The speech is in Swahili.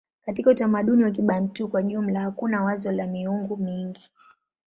Katika utamaduni wa Kibantu kwa jumla hakuna wazo la miungu mingi.